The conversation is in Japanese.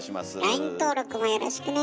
ＬＩＮＥ登録もよろしくね。